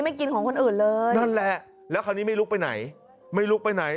กินของคนอื่นเลยนั่นแหละแล้วคราวนี้ไม่ลุกไปไหนไม่ลุกไปไหน